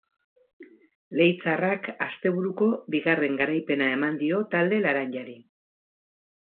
Leitzarrak asteburuko bigarren garaipena eman dio talde laranjari.